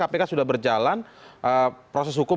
kpk sudah berjalan proses hukum